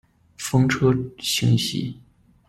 风车星系。